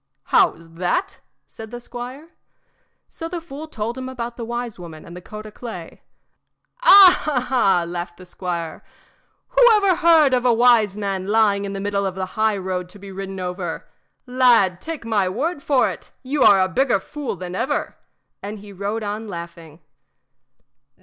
"How's that?" said the squire. So the fool told him about the wise woman and the coat o' clay. "Ah, ah!" laughed the squire, "whoever heard of a wise man lying in the middle of the highroad to be ridden over? Lad, take my word for it, you are a bigger fool than ever," and he rode on laughing.